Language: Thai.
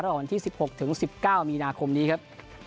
รออ่อนที่๑๖๑๙มีนาคมนี้ครับ